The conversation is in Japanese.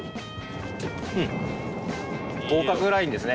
うん合格ラインですね。